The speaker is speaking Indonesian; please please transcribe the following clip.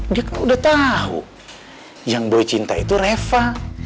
dia kan udah tau yang boy cinta itu reva